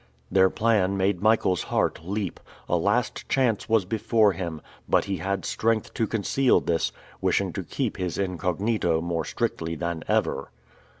Their plan made Michael's heart leap; a last chance was before him, but he had strength to conceal this, wishing to keep his incognito more strictly than ever.